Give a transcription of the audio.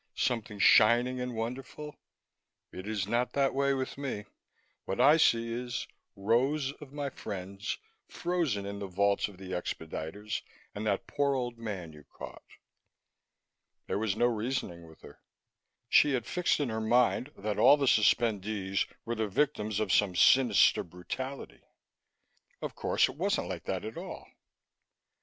Something shining and wonderful? It is not that way with me; what I see is rows of my friends, frozen in the vaults or the expediters and that poor old man you caught." There was no reasoning with her. She had fixed in her mind that all the suspendees were the victims of some sinister brutality. Of course, it wasn't like that at all.